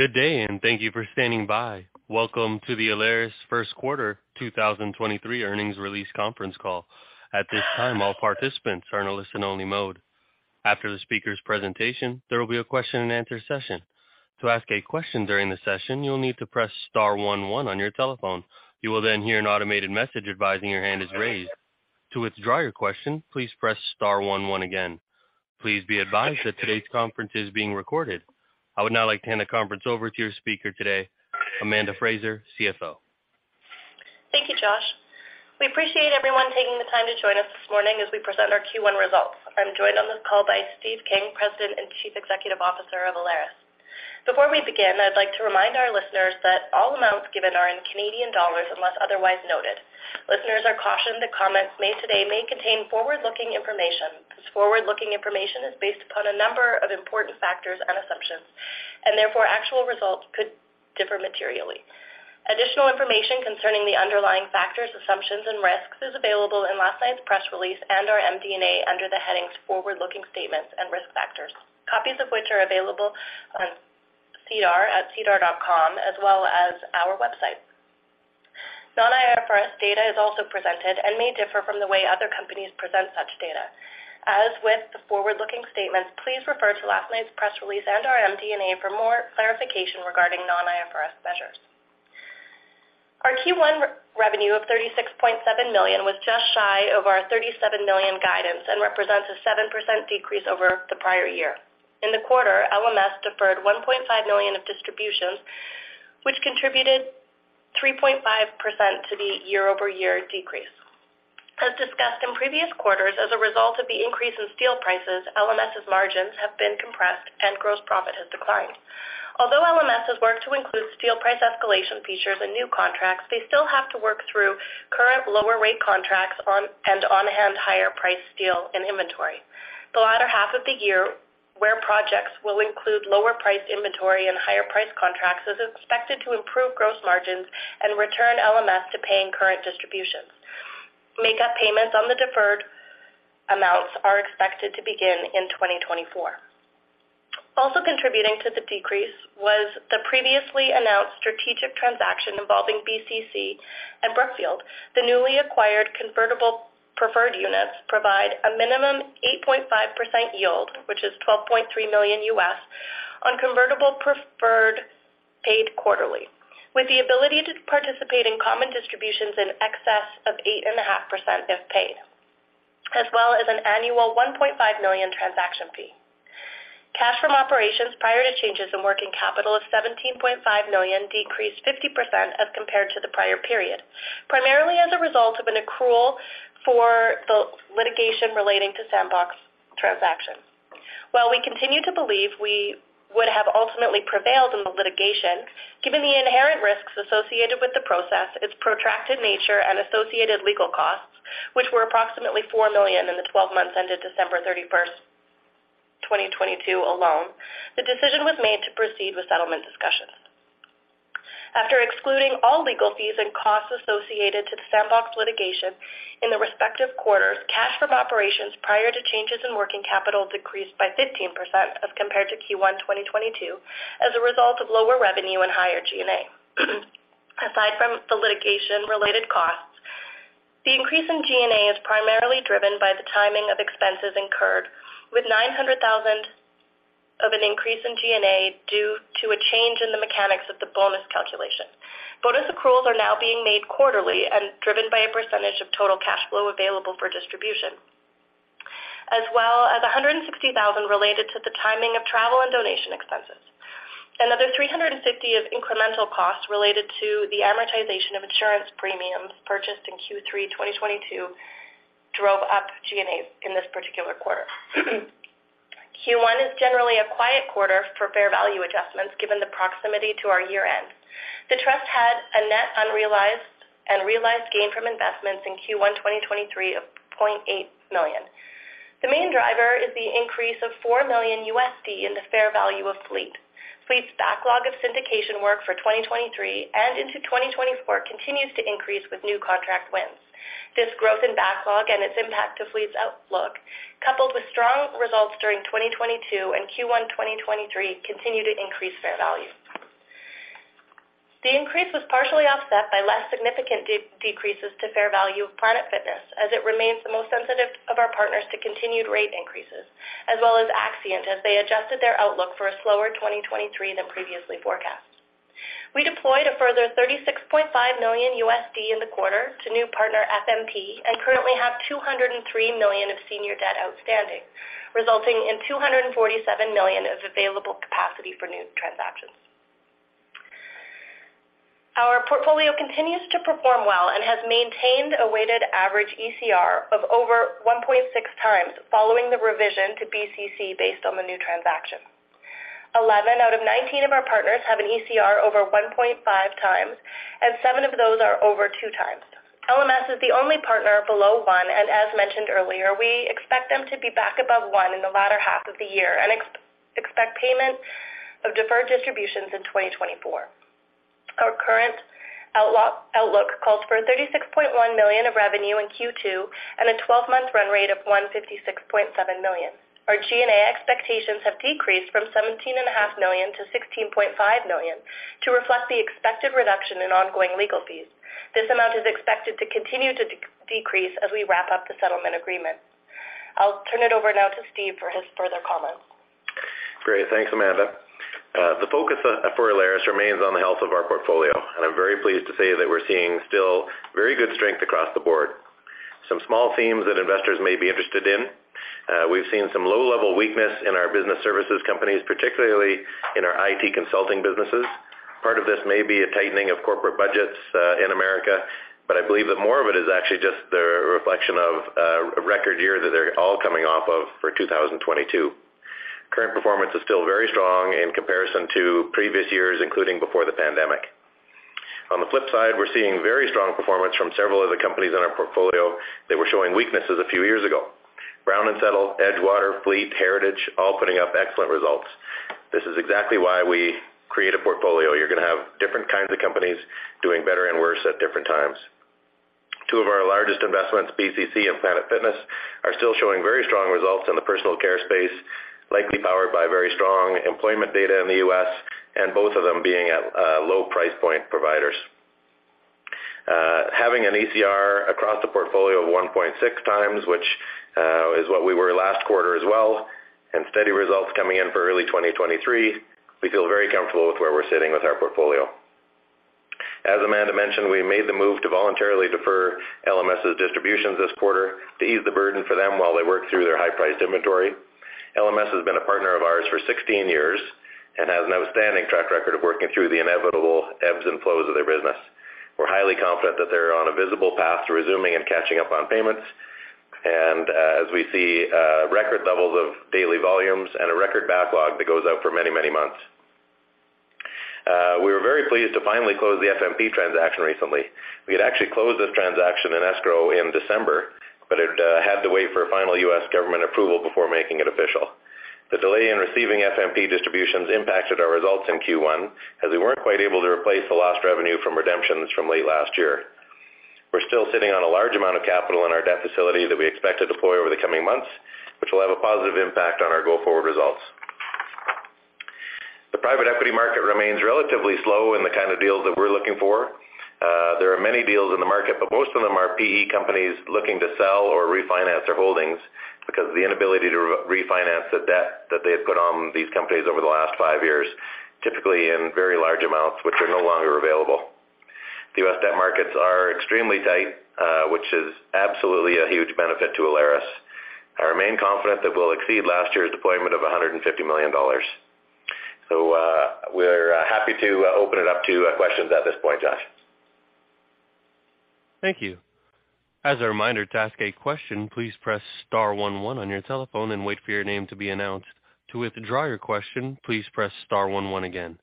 Good day. Thank you for standing by. Welcome to the Alaris first quarter 2023 earnings release conference call. At this time, all participants are in a listen only mode. After the speaker's presentation, there will be a question-and-answer session. To ask a question during the session, you'll need to press star one one on your telephone. You will hear an automated message advising your hand is raised. To withdraw your question, please press star one one again. Please be advised that today's conference is being recorded. I would now like to hand the conference over to your speaker today, Amanda Fraser, CFO. Thank you, Josh. We appreciate everyone taking the time to join us this morning as we present our Q1 results. I'm joined on this call by Steve King, President and Chief Executive Officer of Alaris. Before we begin, I'd like to remind our listeners that all amounts given are in Canadian dollars unless otherwise noted. Listeners are cautioned that comments made today may contain forward-looking information. This forward-looking information is based upon a number of important factors and assumptions. Therefore actual results could differ materially. Additional information concerning the underlying factors, assumptions, and risks is available in last night's press release and our MD&A under the headings Forward-Looking Statements and Risk Factors, copies of which are available on SEDAR at sedar.com as well as our website. Non-IFRS data is also presented and may differ from the way other companies present such data. As with the forward-looking statements, please refer to last night's press release and our MD&A for more clarification regarding non-IFRS measures. Our Q1 revenue of 36.7 million was just shy of our 37 million guidance and represents a 7% decrease over the prior year. In the quarter, LMS deferred 1.5 million of distributions, which contributed 3.5% to the year-over-year decrease. As discussed in previous quarters, as a result of the increase in steel prices, LMS's margins have been compressed and gross profit has declined. Although LMS has worked to include steel price escalation features in new contracts, they still have to work through current lower rate contracts and on-hand higher priced steel and inventory. The latter half of the year, where projects will include lower priced inventory and higher price contracts, is expected to improve gross margins and return LMS to paying current distributions. Make up payments on the deferred amounts are expected to begin in 2024. Also contributing to the decrease was the previously announced strategic transaction involving BCC and Brookfield. The newly acquired Convertible Preferred Units provide a minimum 8.5% yield, which is $12.3 million on convertible preferred paid quarterly, with the ability to participate in common distributions in excess of 8.5% if paid, as well as an annual $1.5 million transaction fee. Cash from operations prior to changes in working capital of 17.5 million decreased 50% as compared to the prior period, primarily as a result of an accrual for the litigation relating to Sandbox transaction. While we continue to believe we would have ultimately prevailed in the litigation, given the inherent risks associated with the process, its protracted nature and associated legal costs, which were approximately 4 million in the 12-months ended December 31, 2022 alone, the decision was made to proceed with settlement discussions. After excluding all legal fees and costs associated to the Sandbox litigation in the respective quarters, cash from operations prior to changes in working capital decreased by 15% as compared to Q1 2022 as a result of lower revenue and higher G&A. Aside from the litigation related costs, the increase in G&A is primarily driven by the timing of expenses incurred, with 900,000 of an increase in G&A due to a change in the mechanics of the bonus calculation. Bonus accruals are now being made quarterly and driven by a percentage of total cash flow available for distribution, as well as 160,000 related to the timing of travel and donation expenses. Another 350 of incremental costs related to the amortization of insurance premiums purchased in Q3 2022 drove up G&A in this particular quarter. Q1 is generally a quiet quarter for fair value adjustments, given the proximity to our year-end. The trust had a net unrealized and realized gain from investments in Q1 2023 of 0.8 million. The main driver is the increase of $4 million in the fair value of Fleet. Fleet's backlog of syndication work for 2023 and into 2024 continues to increase with new contract wins. This growth in backlog and its impact to Fleet's outlook, coupled with strong results during 2022 and Q1 2023, continue to increase fair value. The increase was partially offset by less significant decreases to fair value of Planet Fitness as it remains the most sensitive of our partners to continued rate increases, as well as Accscient as they adjusted their outlook for a slower 2023 than previously forecast. We deployed a further $36.5 million in the quarter to new partner FMP and currently have $203 million of senior debt outstanding, resulting in $247 million of available capacity for new transactions. Our portfolio continues to perform well and has maintained a weighted average ECR of over 1.6x following the revision to BCC based on the new transaction. 11 out of 19 of our partners have an ECR over 1.5x, and seven of those are over 2x. LMS is the only partner below one, and as mentioned earlier, we expect them to be back above one in the latter half of the year and expect payment of deferred distributions in 2024. Our current outlook calls for 36.1 million of revenue in Q2 and a 12-month run rate of 156.7 million. Our G&A expectations have decreased from seventeen and a half million to 16.5 million to reflect the expected reduction in ongoing legal fees. This amount is expected to continue to decrease as we wrap up the settlement agreement. I'll turn it over now to Steve for his further comments. Great. Thanks, Amanda. The focus for Alaris remains on the health of our portfolio, and I'm very pleased to say that we're seeing still very good strength across the board. Some small themes that investors may be interested in. We've seen some low-level weakness in our business services companies, particularly in our IT consulting businesses. Part of this may be a tightening of corporate budgets in America, but I believe that more of it is actually just the reflection of a record year that they're all coming off of for 2022. Current performance is still very strong in comparison to previous years, including before the pandemic. On the flip side, we're seeing very strong performance from several of the companies in our portfolio that were showing weaknesses a few years ago. Brown & Settle, Edgewater, Fleet, Heritage, all putting up excellent results. This is exactly why we create a portfolio. You're gonna have different kinds of companies doing better and worse at different times. Two of our largest investments, BCC and Planet Fitness, are still showing very strong results in the personal care space, likely powered by very strong employment data in the U.S., and both of them being at low price point providers. Having an ECR across the portfolio of 1.6x, which is what we were last quarter as well, and steady results coming in for early 2023, we feel very comfortable with where we're sitting with our portfolio. As Amanda mentioned, we made the move to voluntarily defer LMS's distributions this quarter to ease the burden for them while they work through their high-priced inventory. LMS has been a partner of ours for 16-years and has an outstanding track record of working through the inevitable ebbs and flows of their business. We're highly confident that they're on a visible path to resuming and catching up on payments, and as we see record levels of daily volumes and a record backlog that goes out for many, many months. We were very pleased to finally close the FMP transaction recently. We had actually closed this transaction in escrow in December, but it had to wait for a final U.S. government approval before making it official. The delay in receiving FMP distributions impacted our results in Q1, as we weren't quite able to replace the lost revenue from redemptions from late last year. We're still sitting on a large amount of capital in our debt facility that we expect to deploy over the coming months, which will have a positive impact on our go-forward results. The private equity market remains relatively slow in the kind of deals that we're looking for. There are many deals in the market, but most of them are PE companies looking to sell or refinance their holdings because of the inability to re-refinance the debt that they have put on these companies over the last five years, typically in very large amounts, which are no longer available. The U.S. debt markets are extremely tight, which is absolutely a huge benefit to Alaris. I remain confident that we'll exceed last year's deployment of 150 million dollars. We're happy to open it up to questions at this point, Josh. Thank you. As a reminder to ask a question, please press star one one on your telephone and wait for your name to be announced. To withdraw your question, please press star one one again.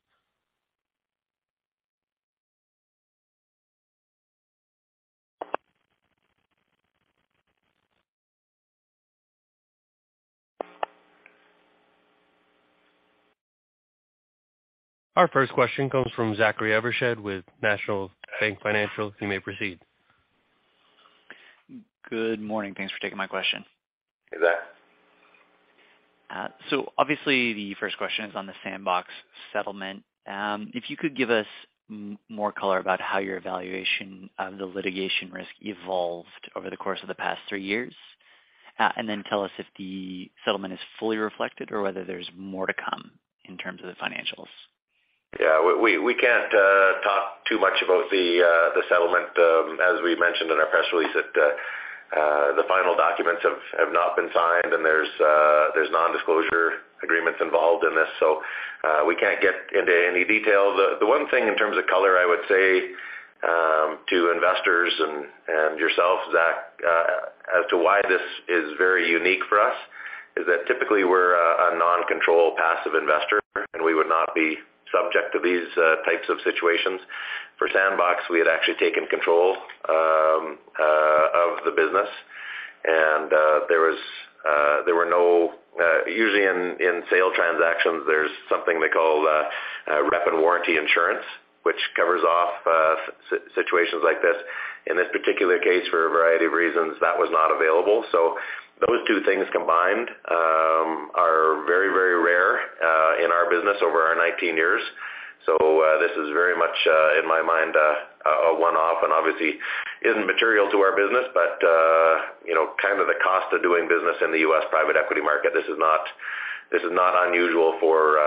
Our first question comes from Zachary Evershed with National Bank Financial. You may proceed. Good morning. Thanks for taking my question. Hey, Zach. Obviously the first question is on the Sandbox settlement. If you could give us more color about how your evaluation of the litigation risk evolved over the course of the past three years, tell us if the settlement is fully reflected or whether there's more to come in terms of the financials. Yeah. We can't talk too much about the settlement. As we mentioned in our press release that the final documents have not been signed, and there's non-disclosure agreements involved in this, so we can't get into any detail. The one thing in terms of color, I would say to investors and yourself, Zach, as to why this is very unique for us is that typically we're a non-control passive investor, and we would not be subject to these types of situations. For Sandbox, we had actually taken control of the business, and there were no usually in sale transactions, there's something they call representations and warranties insurance, which covers off situations like this. In this particular case, for a variety of reasons, that was not available. Those two things combined are very, very rare in our business over our 19 years. This is very much in my mind a one-off and obviously isn't material to our business, but, you know, kind of the cost of doing business in the U.S. private equity market. This is not unusual for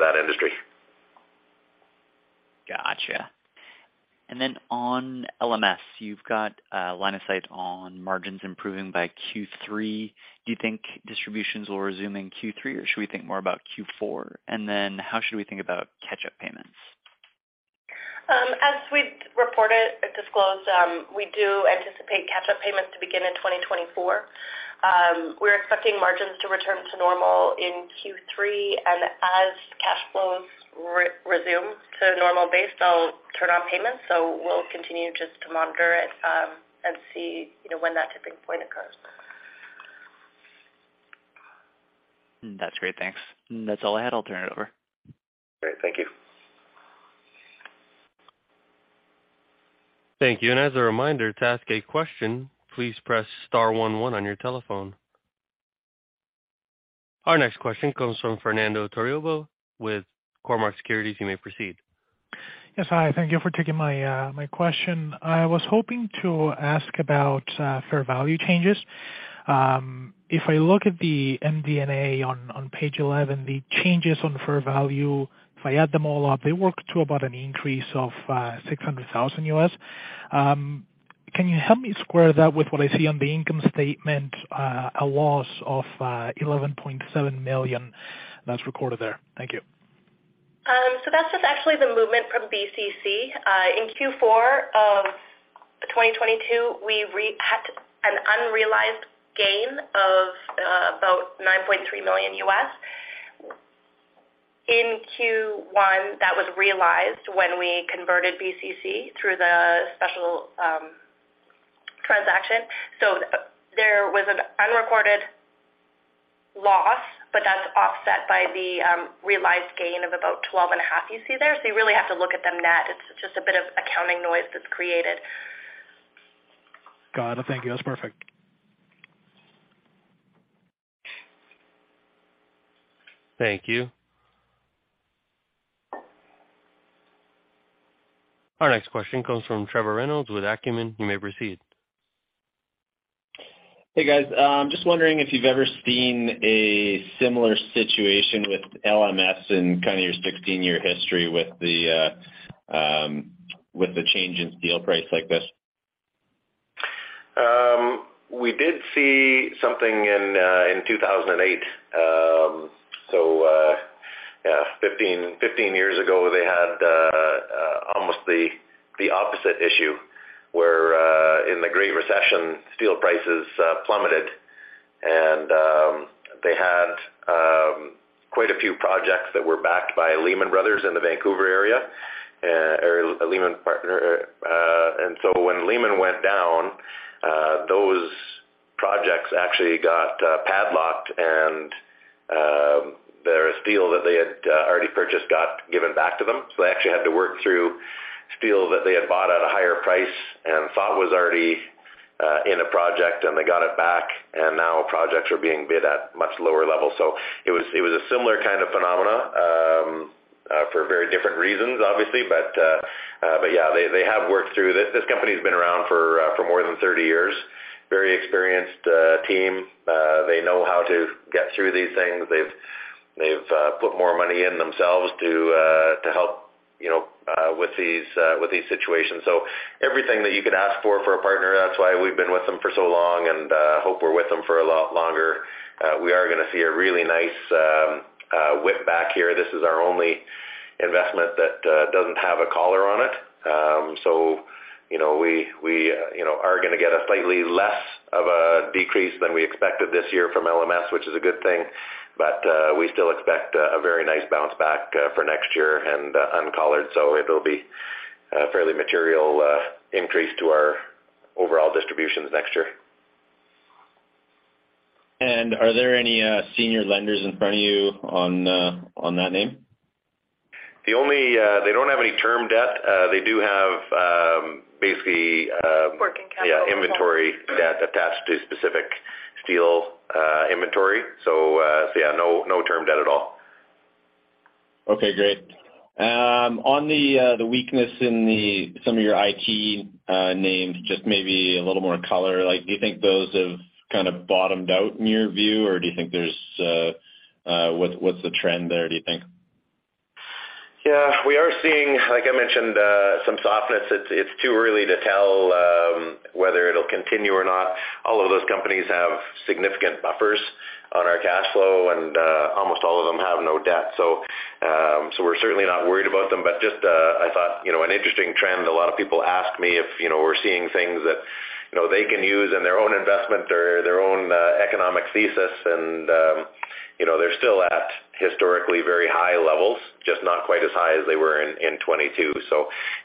that industry. Gotcha. On LMS, you've got a line of sight on margins improving by Q3. Do you think distributions will resume in Q3, or should we think more about Q4? How should we think about catch-up payments? As we've reported and disclosed, we do anticipate catch-up payments to begin in 2024. We're expecting margins to return to normal in Q3, and as cash flows resume to normal base, they'll turn on payments. We'll continue just to monitor it, and see, you know, when that tipping point occurs. That's great. Thanks. That's all I had. I'll turn it over. Great. Thank you. Thank you. As a reminder, to ask a question, please press star one one on your telephone. Our next question comes from Fernando Torrealba with Cormark Securities. You may proceed. Yes. Hi. Thank you for taking my question. I was hoping to ask about fair value changes. If I look at the MD&A on Page 11, the changes on fair value, if I add them all up, they work to about an increase of $600,000 U.S., Can you help me square that with what I see on the income statement, a loss of $11.7 million that's recorded there? Thank you. That's just actually the movement from BCC. In Q4 of 2022, we had an unrealized gain of about $9.3 million. In Q1, that was realized when we converted BCC through the special transaction. There was an unrecorded loss, but that's offset by the realized gain of about $12.5 you see there. You really have to look at them net. It's just a bit of accounting noise that's created. Got it. Thank you. That's perfect. Thank you. Our next question comes from Trevor Reynolds with Acumen. You may proceed. Hey, guys. Just wondering if you've ever seen a similar situation with LMS in kind of your 16-year history with the change in steel price like this? We did see something in 2008. Yeah, 15-years ago, they had almost the opposite issue, where in the Great Recession, steel prices plummeted. They had quite a few projects that were backed by Lehman Brothers in the Vancouver area, or Lehman partner. When Lehman went down, those projects actually got padlocked, and their steel that they had already purchased got given back to them. They actually had to work through steel that they had bought at a higher price and thought was already in a project and they got it back, and now projects are being bid at much lower levels. It was a similar kind of phenomena for very different reasons, obviously. Yeah, they have worked through this. This company has been around for more than 30-years. Very experienced team. They know how to get through these things. They've put more money in themselves to help, you know, with these situations. Everything that you could ask for for a partner, that's why we've been with them for so long and hope we're with them for a lot longer. We are gonna see a really nice whip back here. This is our only investment that doesn't have a collar on it. You know, we, you know, are gonna get a slightly less of a decrease than we expected this year from LMS, which is a good thing, but we still expect a very nice bounce back for next year and uncollared, so it'll be a fairly material increase to our overall distributions next year. Are there any senior lenders in front of you on on that name? They don't have any term debt. They do have, basically. Working capital. Yeah, inventory debt attached to specific steel, inventory. Yeah, no term debt at all. Okay, great. On the weakness in some of your IT names, just maybe a little more color. Like, do you think those have kind of bottomed out in your view, or do you think there's... What's the trend there, do you think? Yeah, we are seeing, like I mentioned, some softness. It's, it's too early to tell whether it'll continue or not. All of those companies have significant buffers on our cash flow, and almost all of them have no debt. We're certainly not worried about them. Just, I thought, you know, an interesting trend. A lot of people ask me if, you know, we're seeing things that, you know, they can use in their own investment or their own economic thesis and, you know, they're still at historically very high levels, just not quite as high as they were in 22.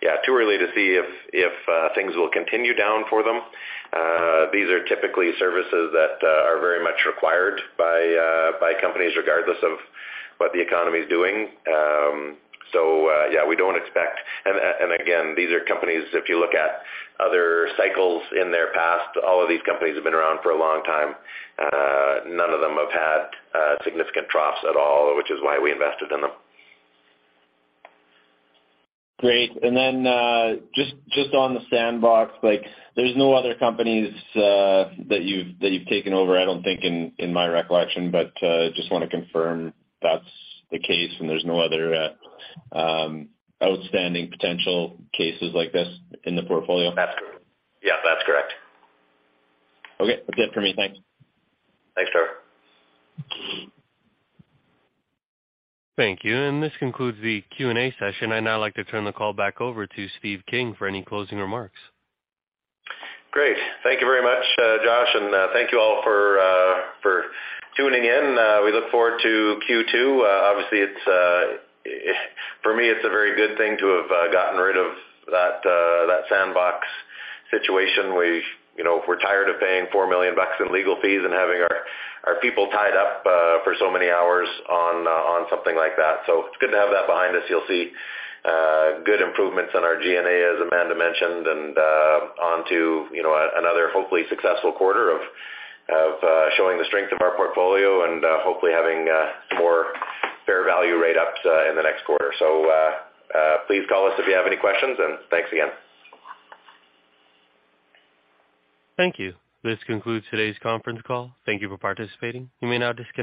Yeah, too early to see if things will continue down for them. These are typically services that are very much required by companies regardless of what the economy is doing. Yeah, we don't expect... Again, these are companies, if you look at other cycles in their past, all of these companies have been around for a long time. None of them have had significant troughs at all, which is why we invested in them. Great. Just on the Sandbox, like, there's no other companies that you've taken over, I don't think, in my recollection, but, just wanna confirm that's the case and there's no other outstanding potential cases like this in the portfolio? That's correct. Yeah. That's correct. Okay. Good for me. Thanks. Thanks, Trevor. Thank you. This concludes the Q&A session. I'd now like to turn the call back over to Steve King for any closing remarks. Great. Thank you very much, Josh, and thank you all for tuning in. We look forward to Q2. Obviously, it's for me, it's a very good thing to have gotten rid of that Sandbox situation. We, you know, we're tired of paying 4 million bucks in legal fees and having our people tied up for so many hours on something like that. It's good to have that behind us. You'll see good improvements in our G&A, as Amanda mentioned, and onto, you know, another hopefully successful quarter of showing the strength of our portfolio and hopefully having some more fair value rate ups in the next quarter. Please call us if you have any questions, and thanks again. Thank you. This concludes today's conference call. Thank you for participating. You may now disconnect.